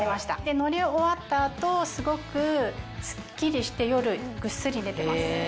乗り終わった後すごくスッキリして夜ぐっすり寝てます。